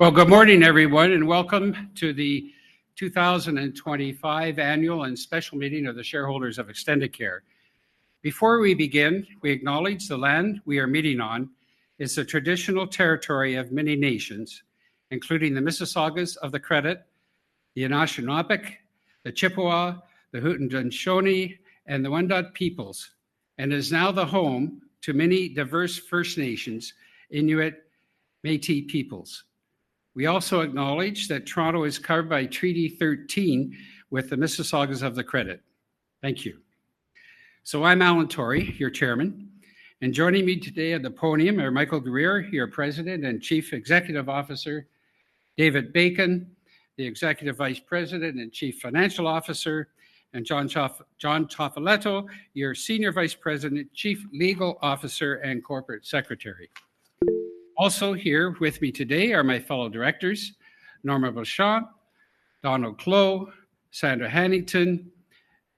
Good morning, everyone, and welcome to the 2025 Annual and Special Meeting of the Shareholders of Extendicare. Before we begin, we acknowledge the land we are meeting on is the traditional territory of many nations, including the Mississaugas of the Credit, the Anishinabek, the Chippewa, the Haudenosaunee, and the Wendat peoples, and is now the home to many diverse First Nations, Inuit, and Métis peoples. We also acknowledge that Toronto is covered by Treaty 13 with the Mississaugas of the Credit. Thank you. I am Alan Tory, your Chairman, and joining me today at the podium are Michael Guerriere, your President and Chief Executive Officer; David Bacon, the Executive Vice President and Chief Financial Officer; and John Tafaleto, your Senior Vice President, Chief Legal Officer, and Corporate Secretary. Also here with me today are my fellow directors: Norma Bouchard, Donald Clow, Sandra Hannington,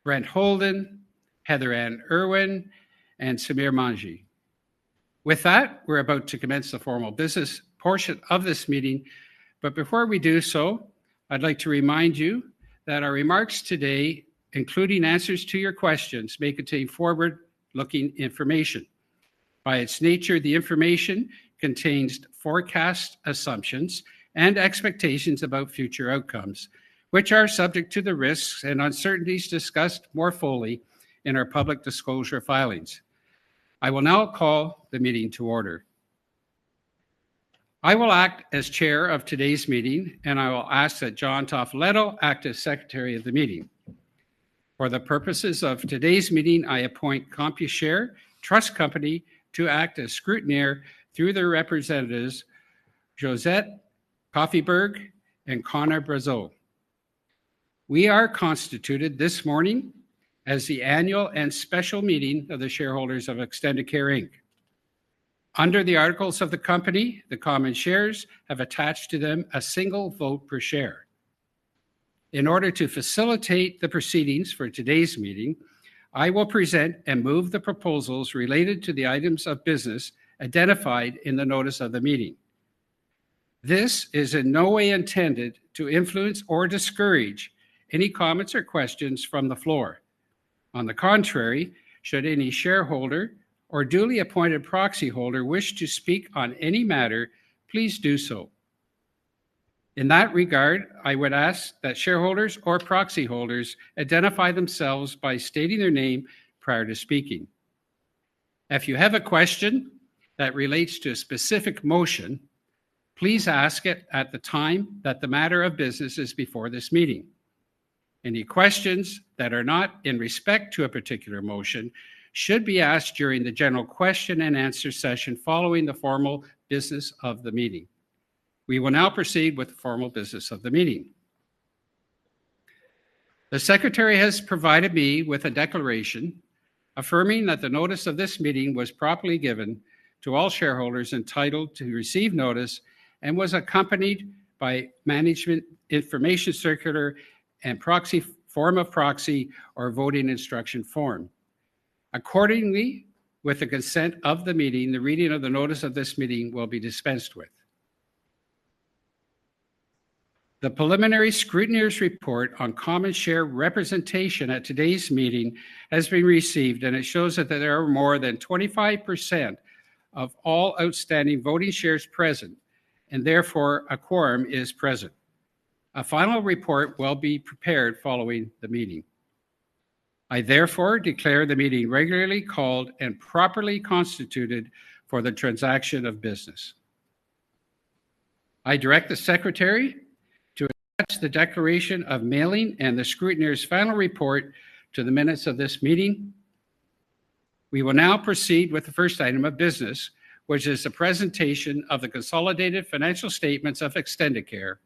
Brent Holden, Heather Ann Irwin, and Samir Manji. With that, we're about to commence the formal business portion of this meeting, but before we do so, I'd like to remind you that our remarks today, including answers to your questions, may contain forward-looking information. By its nature, the information contains forecast assumptions and expectations about future outcomes, which are subject to the risks and uncertainties discussed more fully in our public disclosure filings. I will now call the meeting to order. I will act as chair of today's meeting, and I will ask that John Tafaleto act as secretary of the meeting. For the purposes of today's meeting, I appoint Computershare Trust Company to act as scrutineer through their representatives, Josette Coffeeberg and Connor Brazell. We are constituted this morning as the Annual and Special Meeting of the Shareholders of Extendicare Inc. Under the articles of the company, the common shares have attached to them a single vote per share. In order to facilitate the proceedings for today's meeting, I will present and move the proposals related to the items of business identified in the notice of the meeting. This is in no way intended to influence or discourage any comments or questions from the floor. On the contrary, should any shareholder or duly appointed proxy holder wish to speak on any matter, please do so. In that regard, I would ask that shareholders or proxy holders identify themselves by stating their name prior to speaking. If you have a question that relates to a specific motion, please ask it at the time that the matter of business is before this meeting. Any questions that are not in respect to a particular motion should be asked during the general question and answer session following the formal business of the meeting. We will now proceed with the formal business of the meeting. The Secretary has provided me with a declaration affirming that the notice of this meeting was properly given to all shareholders entitled to receive notice and was accompanied by management information circular and form of proxy or voting instruction form. Accordingly, with the consent of the meeting, the reading of the notice of this meeting will be dispensed with. The preliminary scrutineer's report on common share representation at today's meeting has been received, and it shows that there are more than 25% of all outstanding voting shares present, and therefore a quorum is present. A final report will be prepared following the meeting. I therefore declare the meeting regularly called and properly constituted for the transaction of business. I direct the secretary to attach the declaration of mailing and the scrutineer's final report to the minutes of this meeting. We will now proceed with the first item of business, which is the presentation of the consolidated financial statements of Extendicare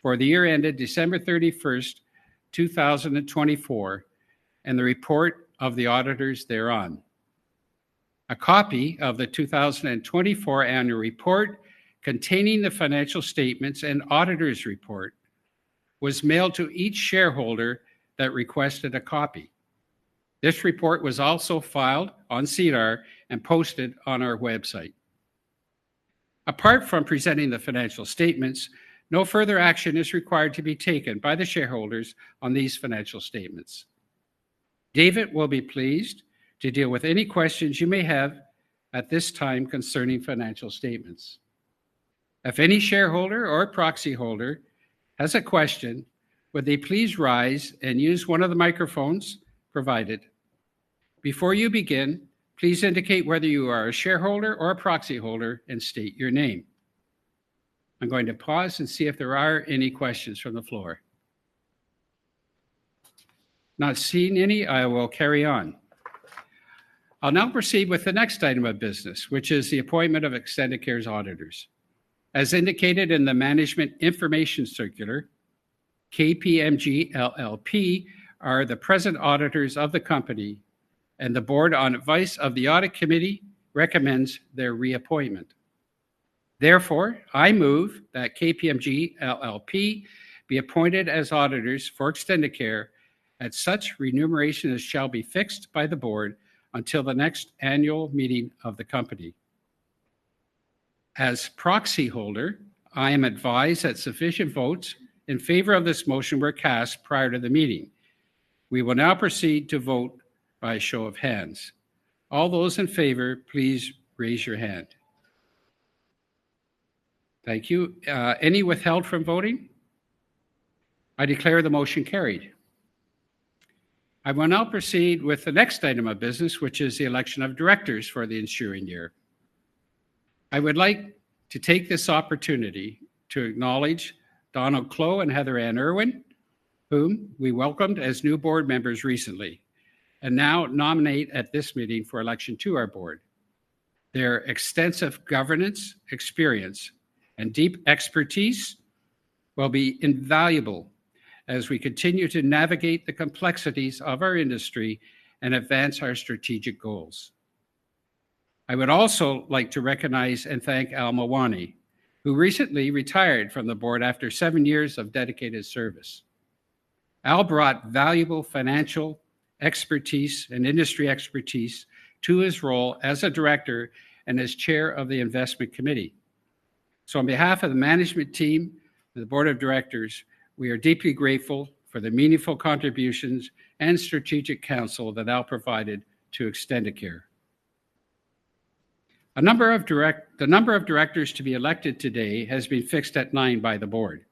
for the year ended December 31, 2024, and the report of the auditors thereon. A copy of the 2024 annual report containing the financial statements and auditor's report was mailed to each shareholder that requested a copy. This report was also filed on SEDAR and posted on our website. Apart from presenting the financial statements, no further action is required to be taken by the shareholders on these financial statements. David will be pleased to deal with any questions you may have at this time concerning financial statements. If any shareholder or proxy holder has a question, would they please rise and use one of the microphones provided? Before you begin, please indicate whether you are a shareholder or a proxy holder and state your name. I'm going to pause and see if there are any questions from the floor. Not seeing any, I will carry on. I'll now proceed with the next item of business, which is the appointment of Extendicare's auditors. As indicated in the management information circular, KPMG LLP are the present auditors of the company, and the board, on advice of the audit committee, recommends their reappointment. Therefore, I move that KPMG LLP be appointed as auditors for Extendicare at such remuneration as shall be fixed by the board until the next annual meeting of the company. As proxy holder, I am advised that sufficient votes in favor of this motion were cast prior to the meeting. We will now proceed to vote by a show of hands. All those in favor, please raise your hand. Thank you. Any withheld from voting? I declare the motion carried. I will now proceed with the next item of business, which is the election of directors for the ensuing year. I would like to take this opportunity to acknowledge Donald Clow and Heather Ann Irwin, whom we welcomed as new board members recently, and now nominate at this meeting for election to our board. Their extensive governance experience and deep expertise will be invaluable as we continue to navigate the complexities of our industry and advance our strategic goals. I would also like to recognize and thank Al Mawani, who recently retired from the board after seven years of dedicated service. Al brought valuable financial expertise and industry expertise to his role as a director and as chair of the investment committee. On behalf of the management team and the board of directors, we are deeply grateful for the meaningful contributions and strategic counsel that Al provided to Extendicare. The number of directors to be elected today has been fixed at nine by the board.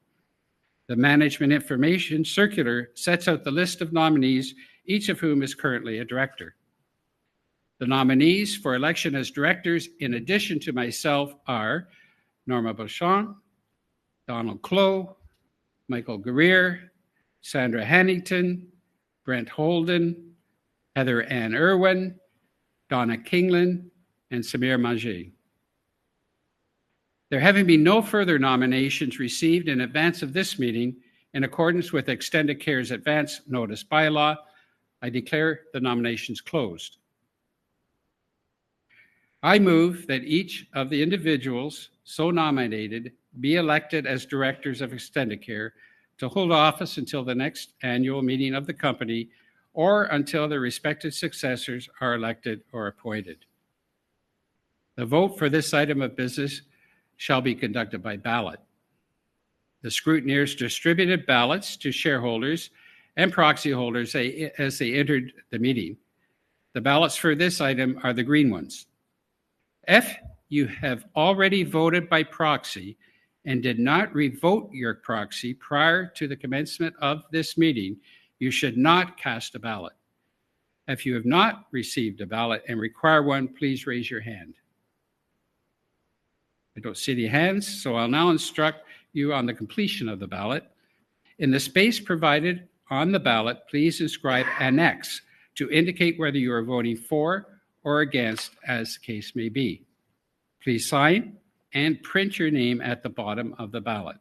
The management information circular sets out the list of nominees, each of whom is currently a director. The nominees for election as directors, in addition to myself, are Norma Bouchard, Donald Clow, Michael Guerriere, Sandra Hannington, Brent Holden, Heather Ann Irwin, Donna Kingelin, and Samir Manji. There having been no further nominations received in advance of this meeting, in accordance with Extendicare's advance notice bylaw, I declare the nominations closed. I move that each of the individuals so nominated be elected as directors of Extendicare to hold office until the next annual meeting of the company or until their respective successors are elected or appointed. The vote for this item of business shall be conducted by ballot. The scrutineers distributed ballots to shareholders and proxy holders as they entered the meeting. The ballots for this item are the green ones. If you have already voted by proxy and did not revote your proxy prior to the commencement of this meeting, you should not cast a ballot. If you have not received a ballot and require one, please raise your hand. I do not see any hands, so I will now instruct you on the completion of the ballot. In the space provided on the ballot, please inscribe "Annex" to indicate whether you are voting for or against, as the case may be. Please sign and print your name at the bottom of the ballot.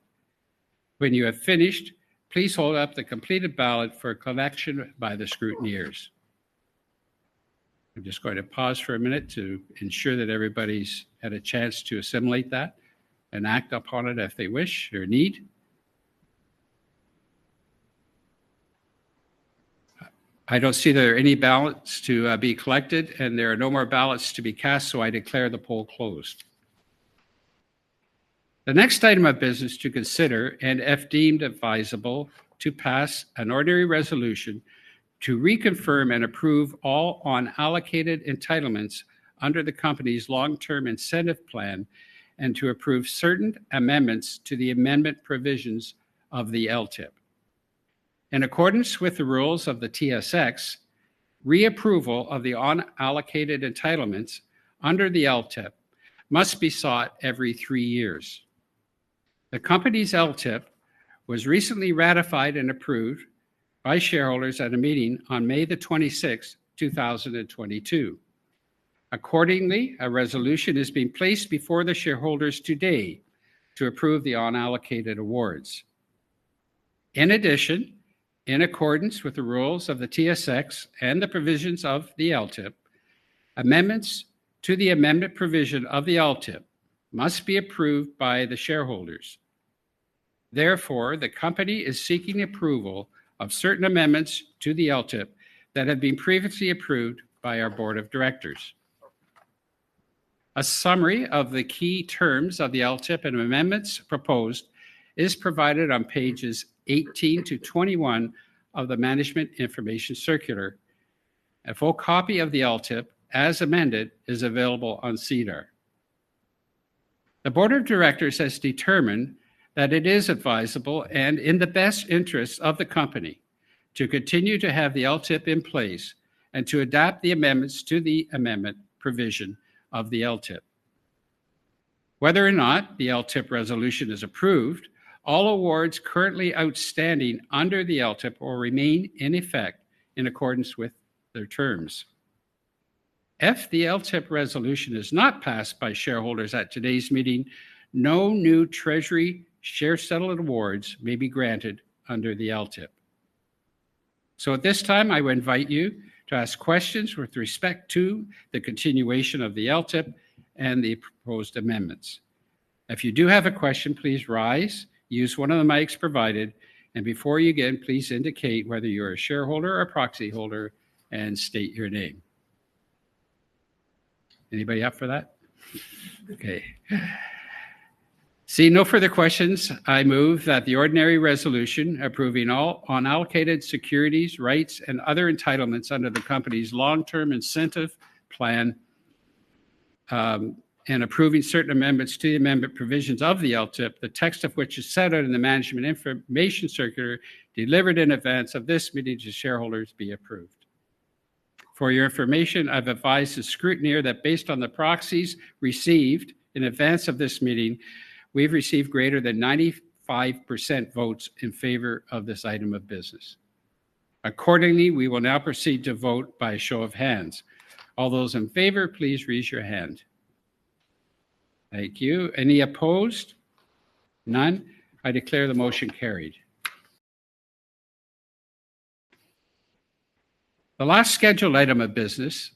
When you have finished, please hold up the completed ballot for collection by the scrutineers. I'm just going to pause for a minute to ensure that everybody's had a chance to assimilate that and act upon it if they wish or need. I don't see that there are any ballots to be collected, and there are no more ballots to be cast, so I declare the poll closed. The next item of business to consider and, if deemed advisable, to pass an ordinary resolution to reconfirm and approve all unallocated entitlements under the company's long-term incentive plan and to approve certain amendments to the amendment provisions of the LTIP. In accordance with the rules of the TSX, reapproval of the unallocated entitlements under the LTIP must be sought every three years. The company's LTIP was recently ratified and approved by shareholders at a meeting on May the 26th, 2022. Accordingly, a resolution is being placed before the shareholders today to approve the unallocated awards. In addition, in accordance with the rules of the TSX and the provisions of the LTIP, amendments to the amendment provision of the LTIP must be approved by the shareholders. Therefore, the company is seeking approval of certain amendments to the LTIP that have been previously approved by our board of directors. A summary of the key terms of the LTIP and amendments proposed is provided on pages 18 to 21 of the management information circular. A full copy of the LTIP as amended is available on CDOR. The board of directors has determined that it is advisable and in the best interests of the company to continue to have the LTIP in place and to adapt the amendments to the amendment provision of the LTIP. Whether or not the LTIP resolution is approved, all awards currently outstanding under the LTIP will remain in effect in accordance with their terms. If the LTIP resolution is not passed by shareholders at today's meeting, no new treasury share settlement awards may be granted under the LTIP. At this time, I will invite you to ask questions with respect to the continuation of the LTIP and the proposed amendments. If you do have a question, please rise, use one of the mics provided, and before you begin, please indicate whether you're a shareholder or a proxy holder and state your name. Anybody up for that? Okay. Seeing no further questions, I move that the ordinary resolution approving all unallocated securities, rights, and other entitlements under the company's long-term incentive plan and approving certain amendments to the amendment provisions of the LTIP, the text of which is set out in the management information circular delivered in advance of this meeting to shareholders, be approved. For your information, I've advised the scrutineer that based on the proxies received in advance of this meeting, we've received greater than 95% votes in favor of this item of business. Accordingly, we will now proceed to vote by a show of hands. All those in favor, please raise your hand. Thank you. Any opposed? None. I declare the motion carried. The last scheduled item of business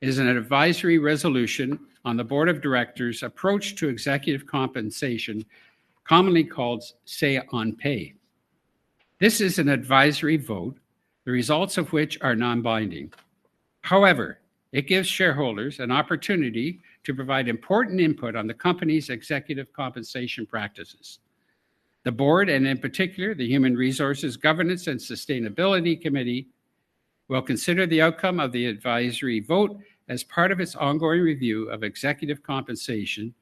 is an advisory resolution on the board of directors' approach to executive compensation, commonly called say-on-pay. This is an advisory vote, the results of which are non-binding. However, it gives shareholders an opportunity to provide important input on the company's executive compensation practices. The board, and in particular, the Human Resources Governance and Sustainability Committee, will consider the outcome of the advisory vote as part of its ongoing review of executive compensation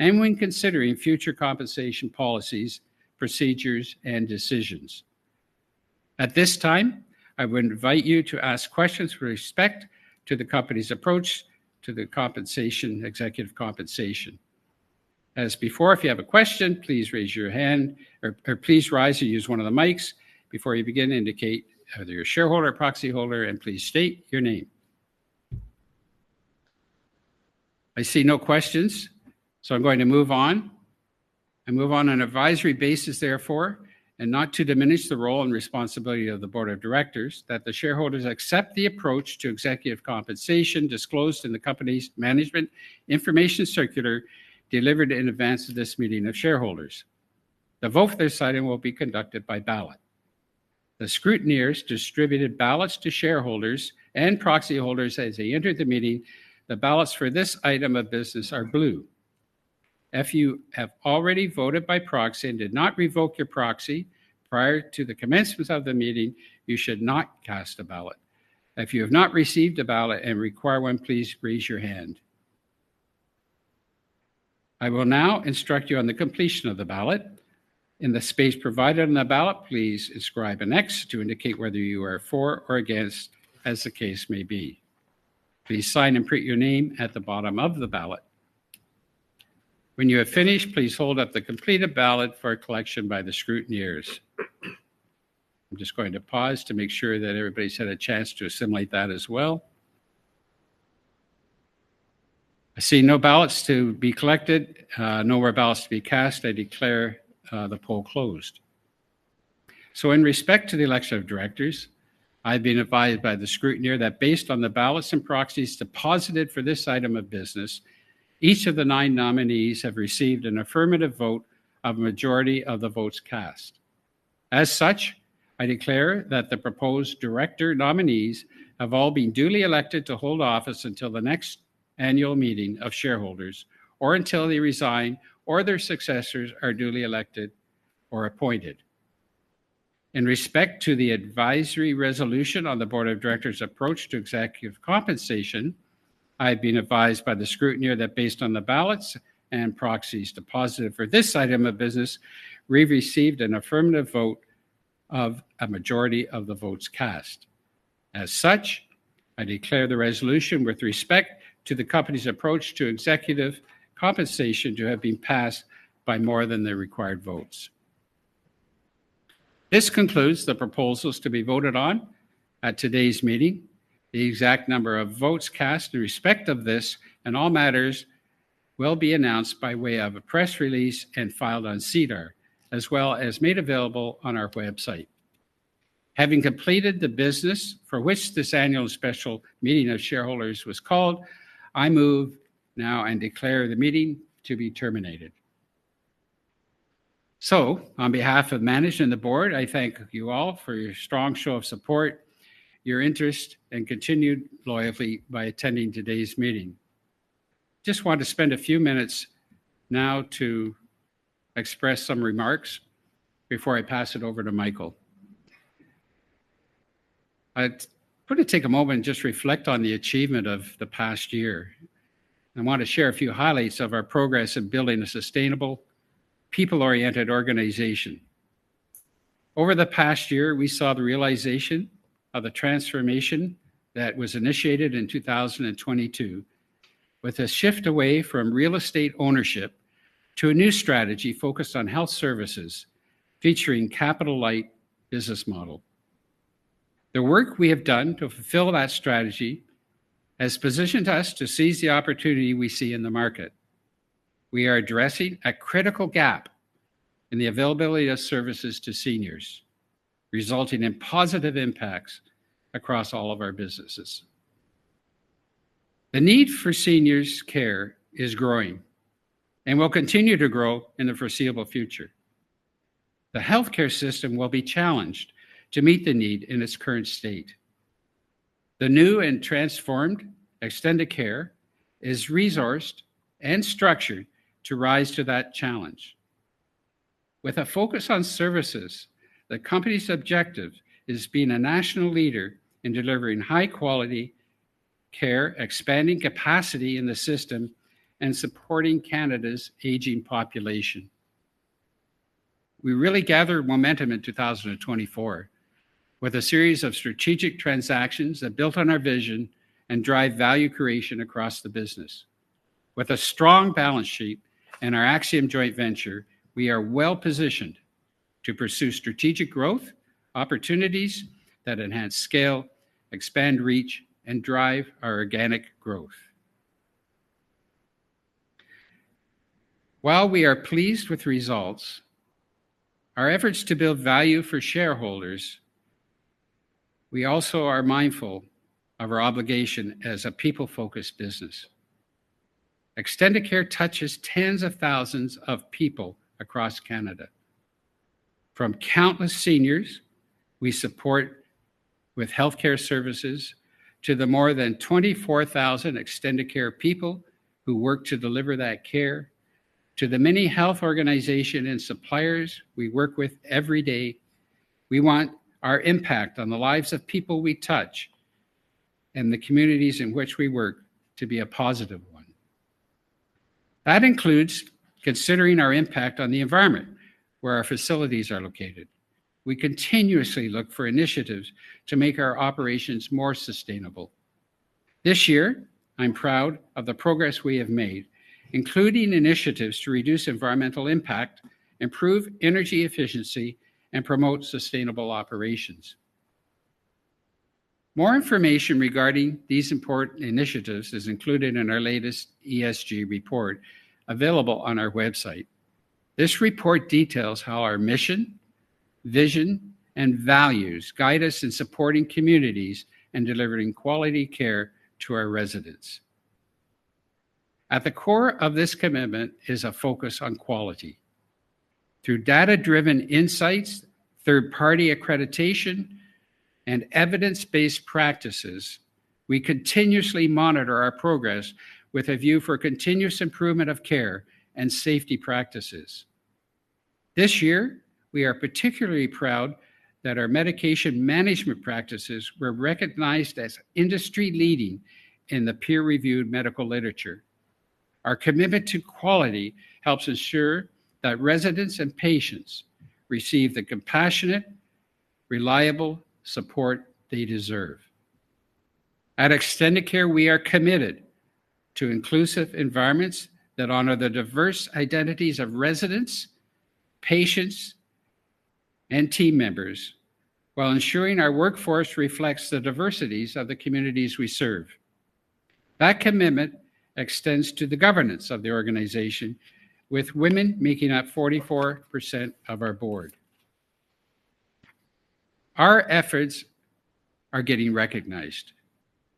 and when considering future compensation policies, procedures, and decisions. At this time, I would invite you to ask questions with respect to the company's approach to the executive compensation. As before, if you have a question, please raise your hand or please rise and use one of the mics before you begin to indicate whether you're a shareholder or proxy holder, and please state your name. I see no questions, so I'm going to move on. I move on, on an advisory basis, therefore, and not to diminish the role and responsibility of the board of directors, that the shareholders accept the approach to executive compensation disclosed in the company's management information circular delivered in advance of this meeting of shareholders. The vote for this item will be conducted by ballot. The scrutineers distributed ballots to shareholders and proxy holders as they entered the meeting. The ballots for this item of business are blue. If you have already voted by proxy and did not revoke your proxy prior to the commencement of the meeting, you should not cast a ballot. If you have not received a ballot and require one, please raise your hand. I will now instruct you on the completion of the ballot. In the space provided on the ballot, please inscribe "Annex" to indicate whether you are for or against, as the case may be. Please sign and print your name at the bottom of the ballot. When you have finished, please hold up the completed ballot for collection by the scrutineers. I'm just going to pause to make sure that everybody's had a chance to assimilate that as well. I see no ballots to be collected, no more ballots to be cast. I declare the poll closed. In respect to the election of directors, I've been advised by the scrutineer that based on the ballots and proxies deposited for this item of business, each of the nine nominees have received an affirmative vote of a majority of the votes cast. As such, I declare that the proposed director nominees have all been duly elected to hold office until the next annual meeting of shareholders or until they resign or their successors are duly elected or appointed. In respect to the advisory resolution on the board of directors' approach to executive compensation, I've been advised by the scrutineer that based on the ballots and proxies deposited for this item of business, we've received an affirmative vote of a majority of the votes cast. As such, I declare the resolution with respect to the company's approach to executive compensation to have been passed by more than the required votes. This concludes the proposals to be voted on at today's meeting. The exact number of votes cast in respect of this and all matters will be announced by way of a press release and filed on SEDAR, as well as made available on our website. Having completed the business for which this annual special meeting of shareholders was called, I move now and declare the meeting to be terminated. On behalf of management and the board, I thank you all for your strong show of support, your interest, and continued loyalty by attending today's meeting. I just want to spend a few minutes now to express some remarks before I pass it over to Michael. I'm going to take a moment and just reflect on the achievement of the past year. I want to share a few highlights of our progress in building a sustainable, people-oriented organization. Over the past year, we saw the realization of the transformation that was initiated in 2022, with a shift away from real estate ownership to a new strategy focused on health services featuring a capital-light business model. The work we have done to fulfill that strategy has positioned us to seize the opportunity we see in the market. We are addressing a critical gap in the availability of services to seniors, resulting in positive impacts across all of our businesses. The need for seniors' care is growing and will continue to grow in the foreseeable future. The healthcare system will be challenged to meet the need in its current state. The new and transformed Extendicare is resourced and structured to rise to that challenge. With a focus on services, the company's objective is being a national leader in delivering high-quality care, expanding capacity in the system, and supporting Canada's aging population. We really gathered momentum in 2024 with a series of strategic transactions that built on our vision and drive value creation across the business. With a strong balance sheet and our Axiom joint venture, we are well-positioned to pursue strategic growth opportunities that enhance scale, expand reach, and drive our organic growth. While we are pleased with results, our efforts to build value for shareholders, we also are mindful of our obligation as a people-focused business. Extendicare touches tens of thousands of people across Canada. From countless seniors we support with healthcare services to the more than 24,000 Extendicare people who work to deliver that care, to the many health organizations and suppliers we work with every day, we want our impact on the lives of people we touch and the communities in which we work to be a positive one. That includes considering our impact on the environment where our facilities are located. We continuously look for initiatives to make our operations more sustainable. This year, I'm proud of the progress we have made, including initiatives to reduce environmental impact, improve energy efficiency, and promote sustainable operations. More information regarding these important initiatives is included in our latest ESG Report available on our website. This report details how our mission, vision, and values guide us in supporting communities and delivering quality care to our residents. At the core of this commitment is a focus on quality. Through data-driven insights, third-party accreditation, and evidence-based practices, we continuously monitor our progress with a view for continuous improvement of care and safety practices. This year, we are particularly proud that our medication management practices were recognized as industry-leading in the peer-reviewed medical literature. Our commitment to quality helps ensure that residents and patients receive the compassionate, reliable support they deserve. At Extendicare, we are committed to inclusive environments that honor the diverse identities of residents, patients, and team members while ensuring our workforce reflects the diversities of the communities we serve. That commitment extends to the governance of the organization, with women making up 44% of our board. Our efforts are getting recognized.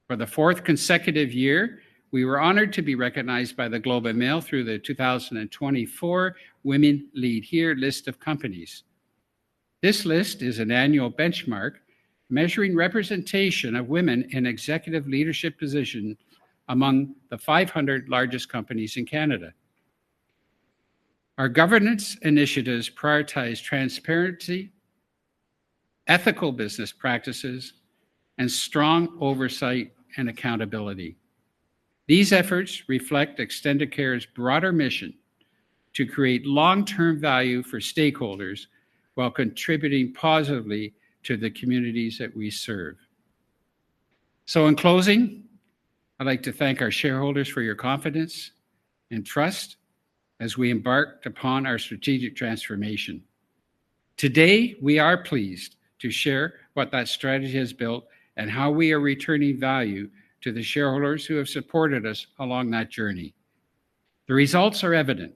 For the fourth consecutive year, we were honored to be recognized by the Globe and Mail through the 2024 Women Lead Here list of companies. This list is an annual benchmark measuring representation of women in executive leadership positions among the 500 largest companies in Canada. Our governance initiatives prioritize transparency, ethical business practices, and strong oversight and accountability. These efforts reflect Extendicare's broader mission to create long-term value for stakeholders while contributing positively to the communities that we serve. In closing, I'd like to thank our shareholders for your confidence and trust as we embarked upon our strategic transformation. Today, we are pleased to share what that strategy has built and how we are returning value to the shareholders who have supported us along that journey. The results are evident.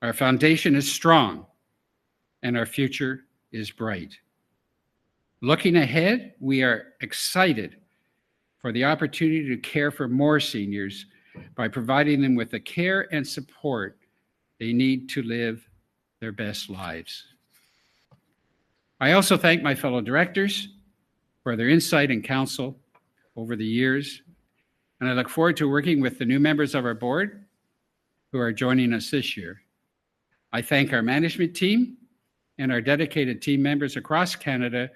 Our foundation is strong and our future is bright. Looking ahead, we are excited for the opportunity to care for more seniors by providing them with the care and support they need to live their best lives. I also thank my fellow directors for their insight and counsel over the years, and I look forward to working with the new members of our board who are joining us this year. I thank our management team and our dedicated team members across Canada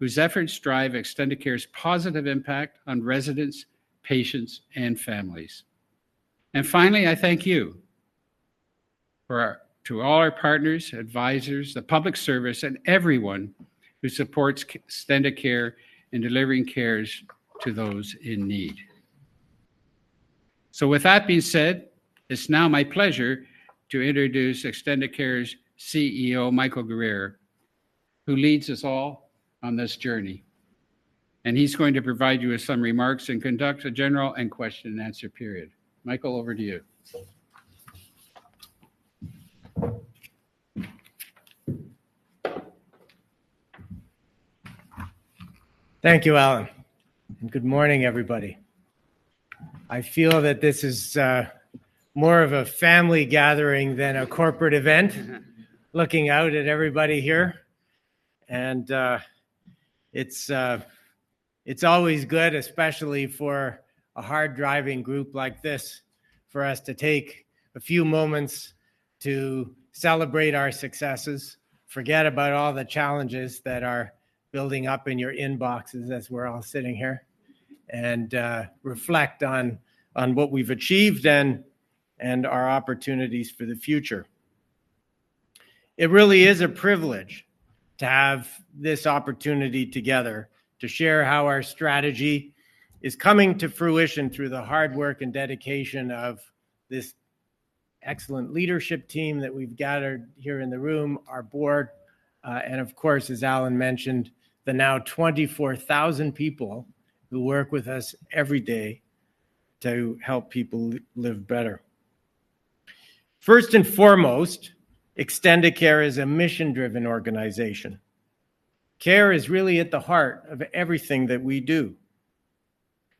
whose efforts drive Extendicare's positive impact on residents, patients, and families. I thank you to all our partners, advisors, the public service, and everyone who supports Extendicare in delivering care to those in need. With that being said, it's now my pleasure to introduce Extendicare's CEO, Michael Guerriere, who leads us all on this journey. He's going to provide you with some remarks and conduct a general and question-and-answer period. Michael, over to you. Thank you, Alan. Good morning, everybody. I feel that this is more of a family gathering than a corporate event, looking out at everybody here. It is always good, especially for a hard-driving group like this, for us to take a few moments to celebrate our successes, forget about all the challenges that are building up in your inboxes as we're all sitting here, and reflect on what we've achieved and our opportunities for the future. It really is a privilege to have this opportunity together to share how our strategy is coming to fruition through the hard work and dedication of this excellent leadership team that we've gathered here in the room, our board, and of course, as Alan mentioned, the now 24,000 people who work with us every day to help people live better. First and foremost, Extendicare is a mission-driven organization. Care is really at the heart of everything that we do.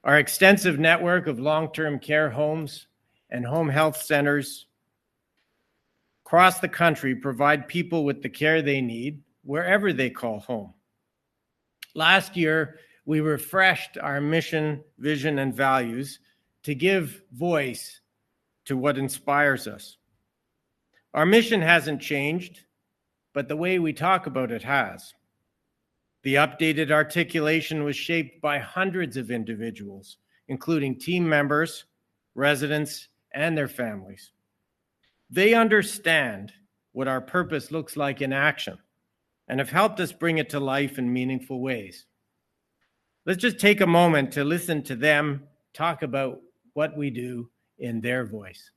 Our extensive network of long-term care homes and home health centers across the country provides people with the care they need wherever they call home. Last year, we refreshed our mission, vision, and values to give voice to what inspires us. Our mission has not changed, but the way we talk about it has. The updated articulation was shaped by hundreds of individuals, including team members, residents, and their families. They understand what our purpose looks like in action and have helped us bring it to life in meaningful ways. Let's just take a moment to listen to them talk about what we do in their voice.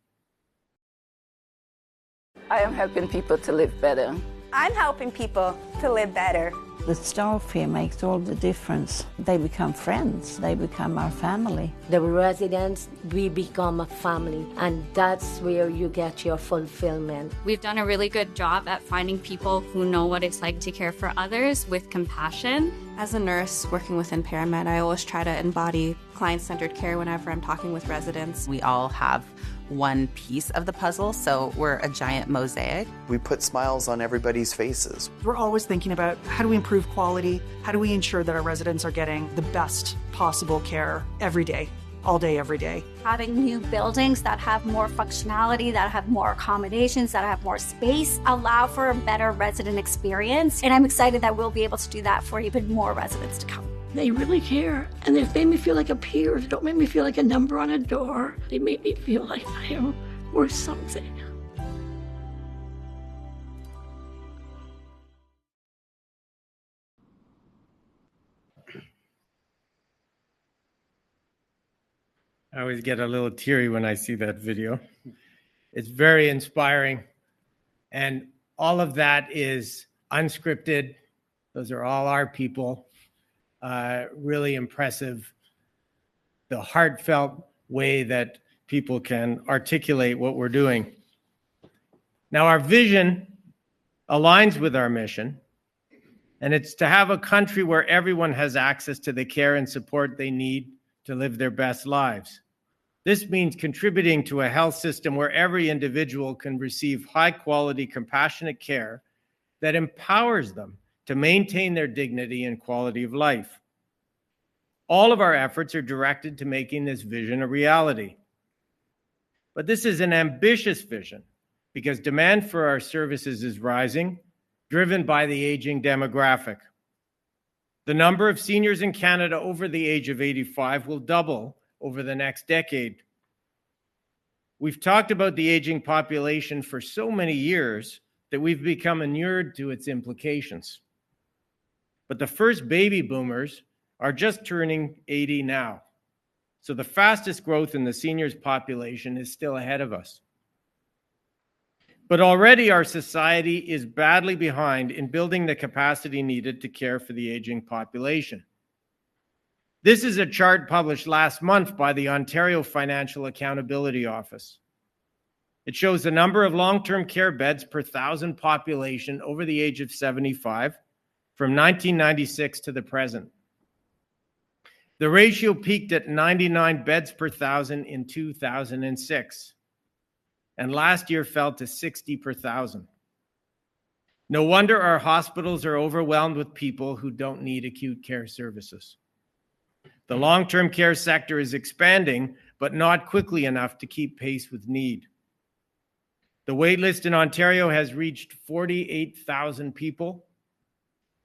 I am helping people to live better. I'm helping people to live better. The staff here makes all the difference. They become friends. They become our family. The residents, we become a family, and that's where you get your fulfillment. We've done a really good job at finding people who know what it's like to care for others with compassion. As a nurse working with impairment, I always try to embody client-centered care whenever I'm talking with residents. We all have one piece of the puzzle, so we're a giant mosaic. We put smiles on everybody's faces. We're always thinking about how do we improve quality? How do we ensure that our residents are getting the best possible care every day, all day, every day? Having new buildings that have more functionality, that have more accommodations, that have more space allows for a better resident experience. I am excited that we will be able to do that for even more residents to come. They really care, and they make me feel like a peer. They don't make me feel like a number on a door. They make me feel like I am worth something. I always get a little teary when I see that video. It's very inspiring. All of that is unscripted. Those are all our people. Really impressive. The heartfelt way that people can articulate what we're doing. Now, our vision aligns with our mission, and it's to have a country where everyone has access to the care and support they need to live their best lives. This means contributing to a health system where every individual can receive high-quality, compassionate care that empowers them to maintain their dignity and quality of life. All of our efforts are directed to making this vision a reality. This is an ambitious vision because demand for our services is rising, driven by the aging demographic. The number of seniors in Canada over the age of 85 will double over the next decade. We've talked about the aging population for so many years that we've become inured to its implications. The first baby boomers are just turning 80 now. The fastest growth in the seniors' population is still ahead of us. Already, our society is badly behind in building the capacity needed to care for the aging population. This is a chart published last month by the Ontario Financial Accountability Office. It shows the number of long-term care beds per 1,000 population over the age of 75 from 1996 to the present. The ratio peaked at 99 beds per 1,000 in 2006, and last year fell to 60 per 1,000. No wonder our hospitals are overwhelmed with people who do not need acute care services. The long-term care sector is expanding, but not quickly enough to keep pace with need. The waitlist in Ontario has reached 48,000 people,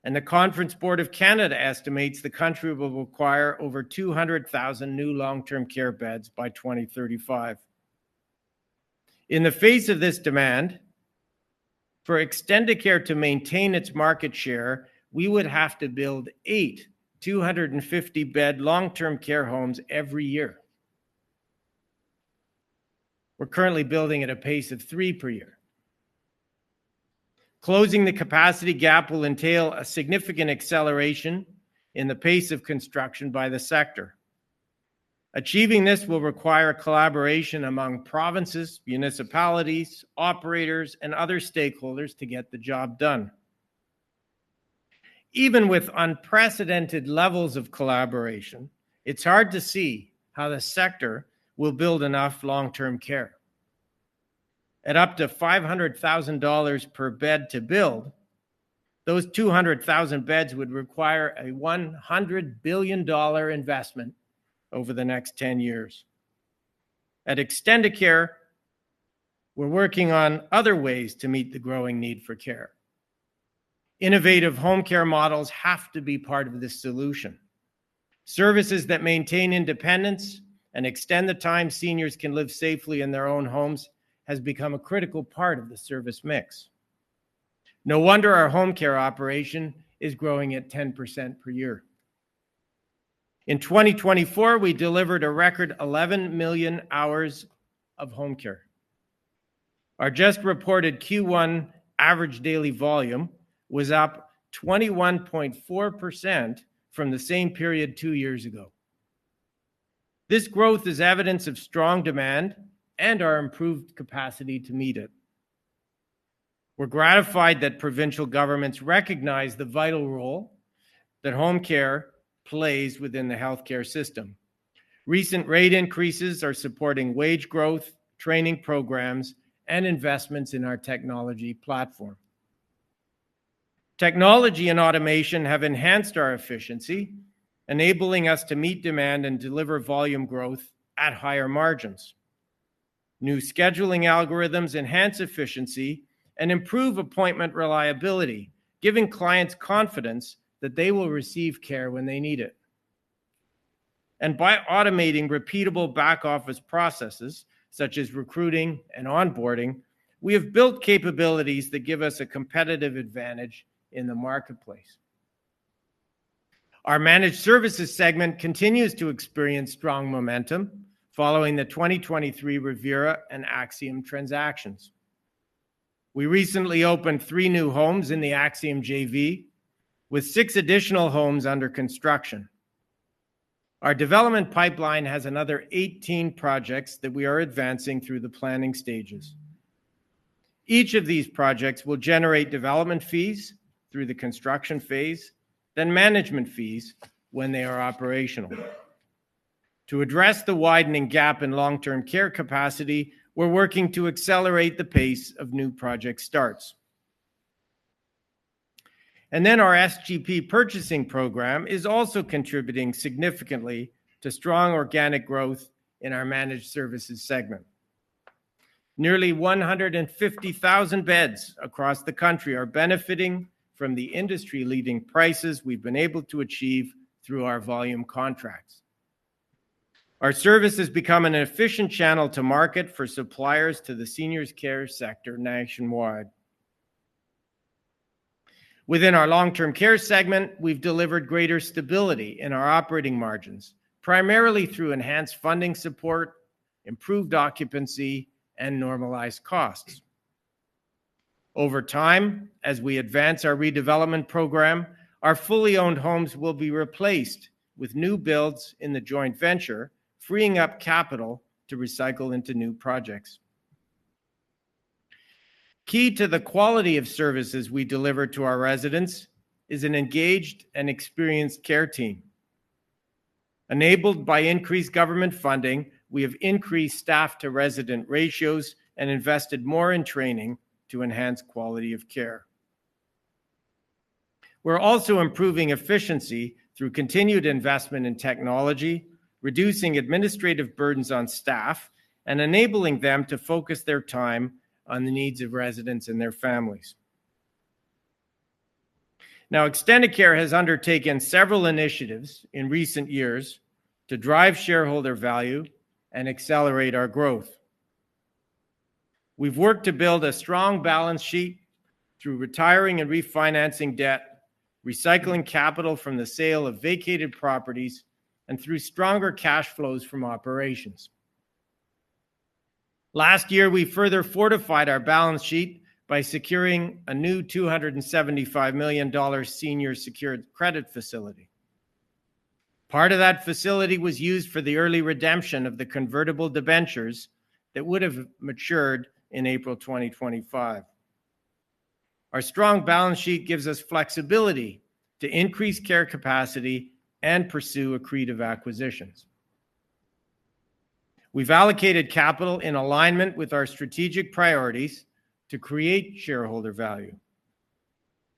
and the Conference Board of Canada estimates the country will require over 200,000 new long-term care beds by 2035. In the face of this demand, for Extendicare to maintain its market share, we would have to build eight 250-bed long-term care homes every year. We're currently building at a pace of three per year. Closing the capacity gap will entail a significant acceleration in the pace of construction by the sector. Achieving this will require collaboration among provinces, municipalities, operators, and other stakeholders to get the job done. Even with unprecedented levels of collaboration, it's hard to see how the sector will build enough long-term care. At up to 500,000 dollars per bed to build, those 200,000 beds would require a 100 billion dollar investment over the next 10 years. At Extendicare, we're working on other ways to meet the growing need for care. Innovative home care models have to be part of the solution. Services that maintain independence and extend the time seniors can live safely in their own homes have become a critical part of the service mix. No wonder our home care operation is growing at 10% per year. In 2024, we delivered a record 11 million hours of home care. Our just reported Q1 average daily volume was up 21.4% from the same period two years ago. This growth is evidence of strong demand and our improved capacity to meet it. We're gratified that provincial governments recognize the vital role that home care plays within the healthcare system. Recent rate increases are supporting wage growth, training programs, and investments in our technology platform. Technology and automation have enhanced our efficiency, enabling us to meet demand and deliver volume growth at higher margins. New scheduling algorithms enhance efficiency and improve appointment reliability, giving clients confidence that they will receive care when they need it. By automating repeatable back-office processes, such as recruiting and onboarding, we have built capabilities that give us a competitive advantage in the marketplace. Our managed services segment continues to experience strong momentum following the 2023 Riviera and Axiom transactions. We recently opened three new homes in the Axiom JV, with six additional homes under construction. Our development pipeline has another 18 projects that we are advancing through the planning stages. Each of these projects will generate development fees through the construction phase, then management fees when they are operational. To address the widening gap in long-term care capacity, we are working to accelerate the pace of new project starts. Our SGP purchasing program is also contributing significantly to strong organic growth in our managed services segment. Nearly 150,000 beds across the country are benefiting from the industry-leading prices we've been able to achieve through our volume contracts. Our service has become an efficient channel to market for suppliers to the seniors' care sector nationwide. Within our long-term care segment, we've delivered greater stability in our operating margins, primarily through enhanced funding support, improved occupancy, and normalized costs. Over time, as we advance our redevelopment program, our fully owned homes will be replaced with new builds in the joint venture, freeing up capital to recycle into new projects. Key to the quality of services we deliver to our residents is an engaged and experienced care team. Enabled by increased government funding, we have increased staff-to-resident ratios and invested more in training to enhance quality of care. We're also improving efficiency through continued investment in technology, reducing administrative burdens on staff, and enabling them to focus their time on the needs of residents and their families. Now, Extendicare has undertaken several initiatives in recent years to drive shareholder value and accelerate our growth. We've worked to build a strong balance sheet through retiring and refinancing debt, recycling capital from the sale of vacated properties, and through stronger cash flows from operations. Last year, we further fortified our balance sheet by securing a new 275 million dollar senior secured credit facility. Part of that facility was used for the early redemption of the convertible debentures that would have matured in April 2025. Our strong balance sheet gives us flexibility to increase care capacity and pursue accretive acquisitions. We've allocated capital in alignment with our strategic priorities to create shareholder value.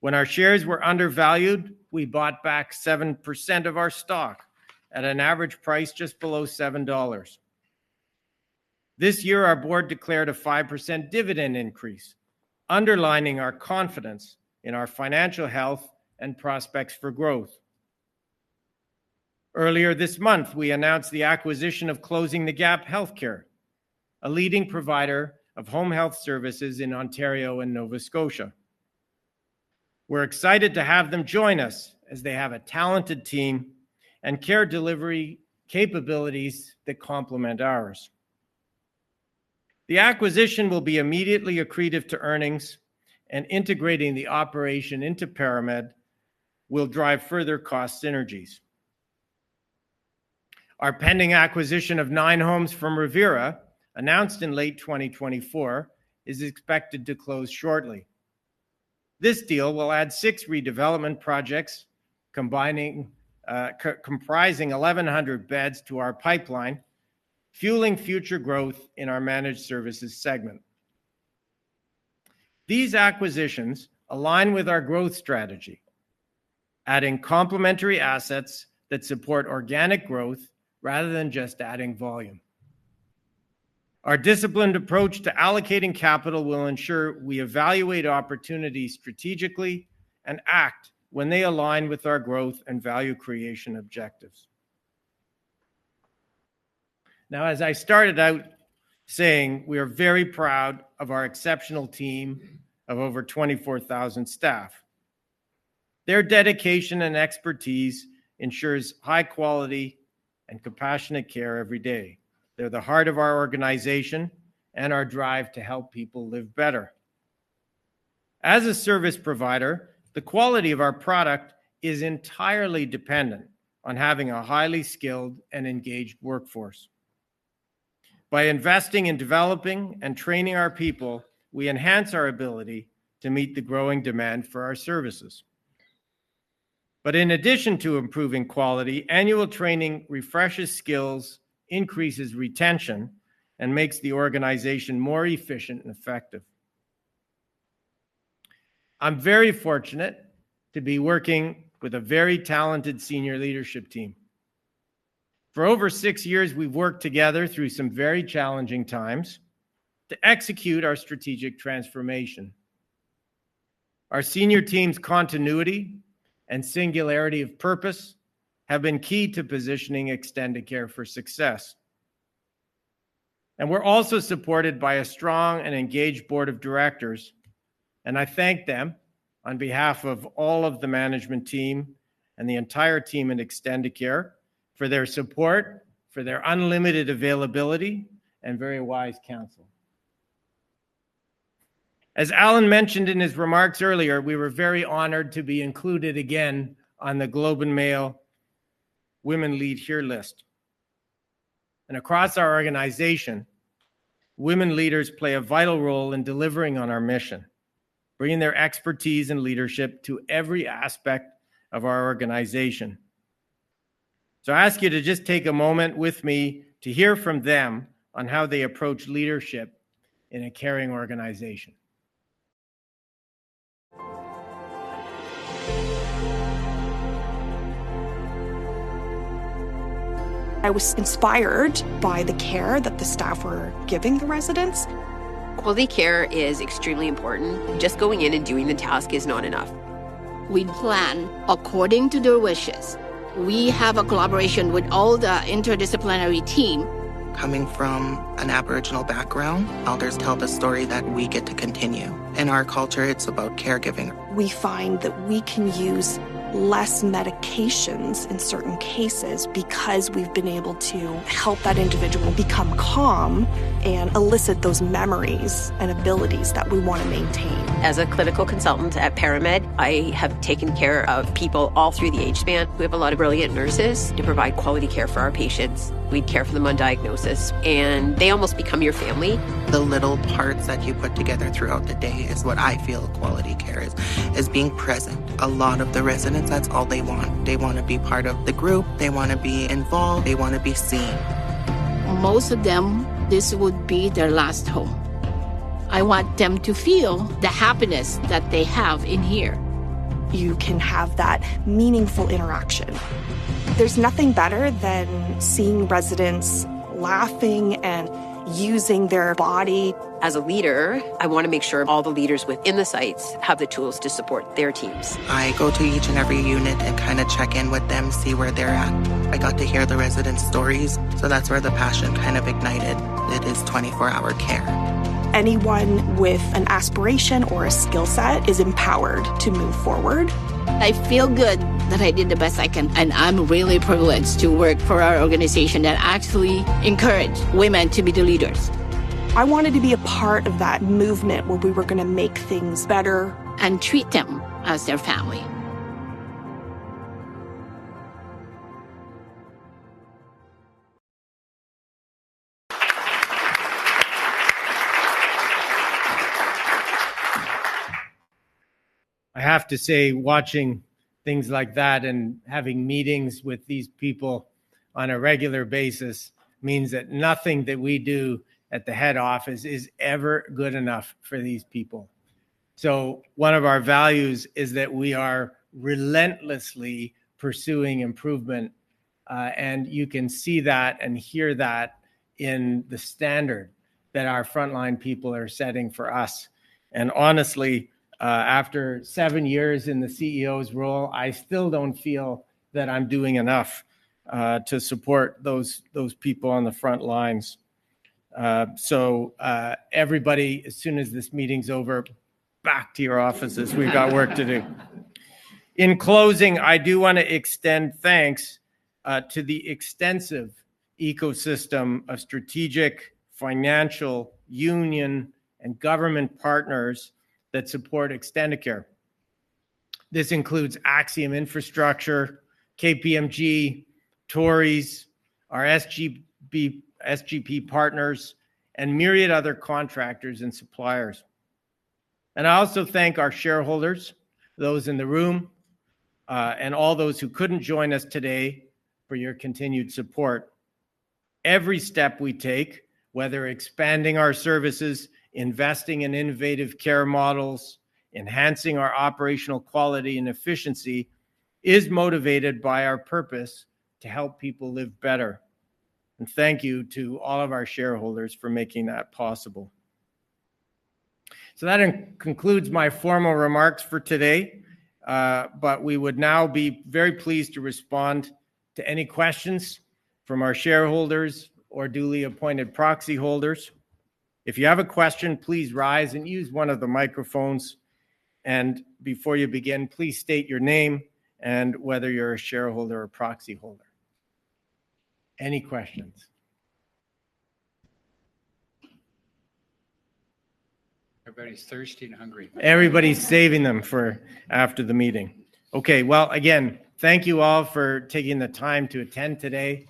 When our shares were undervalued, we bought back 7% of our stock at an average price just below 7 dollars. This year, our board declared a 5% dividend increase, underlining our confidence in our financial health and prospects for growth. Earlier this month, we announced the acquisition of Closing the Gap Healthcare, a leading provider of home health services in Ontario and Nova Scotia. We're excited to have them join us as they have a talented team and care delivery capabilities that complement ours. The acquisition will be immediately accretive to earnings, and integrating the operation into ParaMed will drive further cost synergies. Our pending acquisition of nine homes from Riviera, announced in late 2024, is expected to close shortly. This deal will add six redevelopment projects, comprising 1,100 beds to our pipeline, fueling future growth in our managed services segment. These acquisitions align with our growth strategy, adding complementary assets that support organic growth rather than just adding volume. Our disciplined approach to allocating capital will ensure we evaluate opportunities strategically and act when they align with our growth and value creation objectives. Now, as I started out saying, we are very proud of our exceptional team of over 24,000 staff. Their dedication and expertise ensures high-quality and compassionate care every day. They're the heart of our organization and our drive to help people live better. As a service provider, the quality of our product is entirely dependent on having a highly skilled and engaged workforce. By investing in developing and training our people, we enhance our ability to meet the growing demand for our services. In addition to improving quality, annual training refreshes skills, increases retention, and makes the organization more efficient and effective. I'm very fortunate to be working with a very talented senior leadership team. For over six years, we've worked together through some very challenging times to execute our strategic transformation. Our senior team's continuity and singularity of purpose have been key to positioning Extendicare for success. We are also supported by a strong and engaged board of directors, and I thank them on behalf of all of the management team and the entire team at Extendicare for their support, for their unlimited availability, and very wise counsel. As Alan mentioned in his remarks earlier, we were very honored to be included again on the Globe and Mail Women Lead Here list. Across our organization, women leaders play a vital role in delivering on our mission, bringing their expertise and leadership to every aspect of our organization. I ask you to just take a moment with me to hear from them on how they approach leadership in a caring organization. I was inspired by the care that the staff were giving the residents. Quality care is extremely important. Just going in and doing the task is not enough. We plan according to their wishes. We have a collaboration with all the interdisciplinary team. Coming from an Aboriginal background, elders tell the story that we get to continue. In our culture, it's about caregiving. We find that we can use less medications in certain cases because we've been able to help that individual become calm and elicit those memories and abilities that we want to maintain. As a clinical consultant at ParaMed, I have taken care of people all through the age span. We have a lot of brilliant nurses to provide quality care for our patients. We care for them on diagnosis, and they almost become your family. The little parts that you put together throughout the day is what I feel quality care is, is being present. A lot of the residents, that's all they want. They want to be part of the group. They want to be involved. They want to be seen.\ Most of them, this would be their last home. I want them to feel the happiness that they have in here. You can have that meaningful interaction. There's nothing better than seeing residents laughing and using their body. As a leader, I want to make sure all the leaders within the sites have the tools to support their teams. I go to each and every unit and kind of check in with them, see where they're at. I got to hear the residents' stories. That's where the passion kind of ignited. It is 24-hour care. Anyone with an aspiration or a skill set is empowered to move forward. I feel good that I did the best I can, and I'm really privileged to work for our organization that actually encourages women to be the leaders. I wanted to be a part of that movement where we were going to make things better and treat them as their family. I have to say, watching things like that and having meetings with these people on a regular basis means that nothing that we do at the head office is ever good enough for these people. One of our values is that we are relentlessly pursuing improvement, and you can see that and hear that in the standard that our frontline people are setting for us. Honestly, after seven years in the CEO's role, I still do not feel that I am doing enough to support those people on the front lines. Everybody, as soon as this meeting is over, back to your offices. We have work to do. In closing, I do want to extend thanks to the extensive ecosystem of strategic, financial, union, and government partners that support Extendicare. This includes Axiom Infrastructure, KPMG, Tories, our SGP partners, and myriad other contractors and suppliers. I also thank our shareholders, those in the room, and all those who could not join us today for your continued support. Every step we take, whether expanding our services, investing in innovative care models, enhancing our operational quality and efficiency, is motivated by our purpose to help people live better. Thank you to all of our shareholders for making that possible. That concludes my formal remarks for today, but we would now be very pleased to respond to any questions from our shareholders or duly appointed proxy holders. If you have a question, please rise and use one of the microphones. Before you begin, please state your name and whether you're a shareholder or proxy holder. Any questions? Everybody's thirsty and hungry. Everybody's saving them for after the meeting. Thank you all for taking the time to attend today.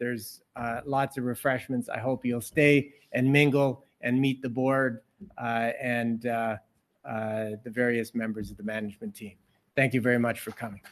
There are lots of refreshments. I hope you'll stay and mingle and meet the board and the various members of the management team. Thank you very much for coming.